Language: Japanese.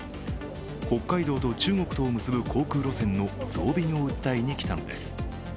北海道と中国とを結ぶ航空路線の増便を訴えに来たのです。